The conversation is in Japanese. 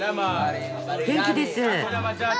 元気です。